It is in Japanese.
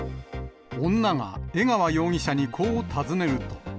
女が江川容疑者にこう尋ねると。